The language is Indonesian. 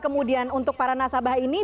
kemudian untuk para nasabah ini